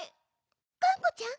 がんこちゃん？